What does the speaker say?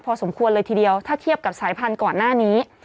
พอสมควรเลยทีเดียวถ้าเทียบกับสายพันธุ์ก่อนหน้านี้